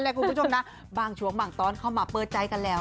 ว่าอะไรนะคุณผู้ชมน่ะบางช่วงบางตอนเขามาเปิดใจกันแล้ว